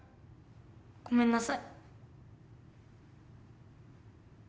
ごめんなさい